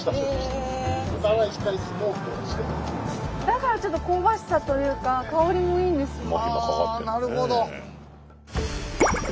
だからちょっと香ばしさというか香りもいいんですよ。